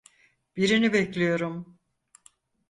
Birini bekliyorum.